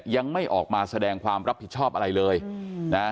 ยังไม่ออกมาแสดงความรับผิดชอบอะไรเลยนะฮะ